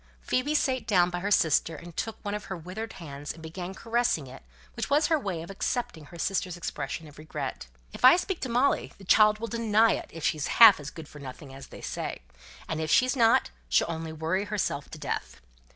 Phoebe sate down by her sister, and took hold of one of her withered hands, and began caressing it, which was her way of accepting her sister's expression of regret. "If I speak to Molly, the child will deny it, if she's half as good for nothing as they say; and if she's not, she'll only worry herself to death.